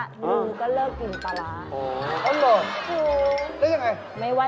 หนูก็เลิกกินปลาร้า